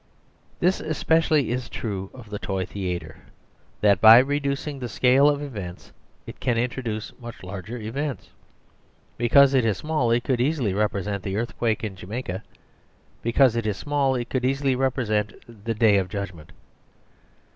This especially is true of the toy theatre; that, by reducing the scale of events it can introduce much larger events. Because it is small it could easily represent the earthquake in Jamaica. Because it is small it could easily represent the Day of Judgment.